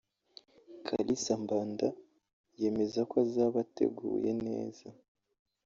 Kalisa Mbanda yemeza ko azaba ateguye neza